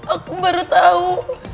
aku baru tau